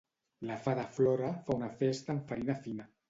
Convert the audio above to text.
La fada Flora fa una festa amb farina fina.